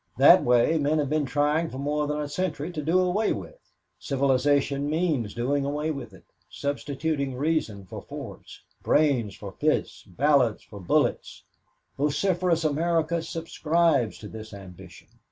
That way men have been trying for more than a century to do away with. Civilization means doing away with it substituting reason for force, brains for fists, ballots for bullets. Vociferous America subscribes to this ambition.